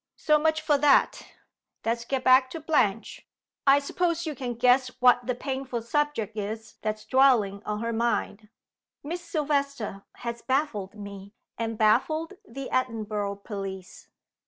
So much for that! Let's get back to Blanche. I suppose you can guess what the painful subject is that's dwelling on her mind? Miss Silvester has baffled me, and baffled the Edinburgh police.